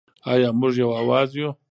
آیا موږ یو اواز یو؟